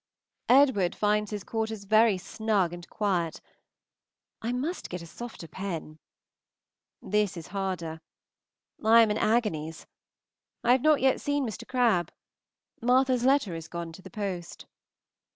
Edward finds his quarters very snug and quiet. I must get a softer pen. This is harder. I am in agonies. I have not yet seen Mr. Crabbe. Martha's letter is gone to the post.